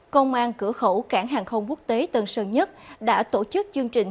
công an cửa khẩu cảng hàng không quốc tế tân sơn nhất đã tổ chức chương trình